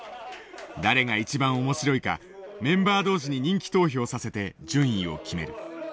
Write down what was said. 誰が一番面白いかメンバー同士に人気投票させて順位を決める。